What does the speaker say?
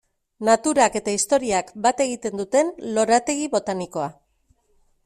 Naturak eta historiak bat egiten duten lorategi botanikoa.